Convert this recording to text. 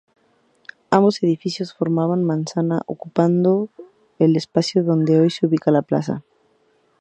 Ambos edificios formaban manzana ocupando el espacio donde hoy se ubica la plaza.